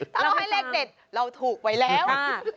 ถ้าเราให้เลขเด็ดเราถูกไว้แล้ว